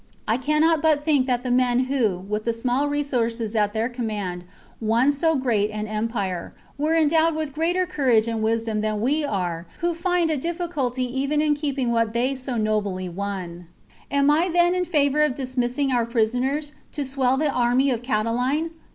I cannot but think that the men, who, with the small resources at their command, won so great an empire, were endowed with greater courage and wisdom than are we who find a difficulty even in keeping what they so nobly won. " Am I then in favour of dismissing our prisoners, to swell the army of Catiline